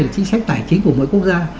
là chính sách tài chính của mỗi quốc gia